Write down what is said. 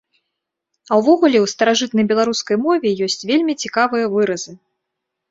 А ўвогуле ў старажытнай беларускай мове ёсць вельмі цікавыя выразы.